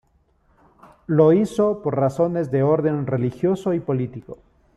Lo hizo por razones de orden religioso y político.